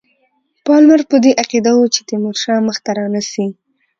پالمر په دې عقیده وو چې تیمورشاه مخته رانه سي.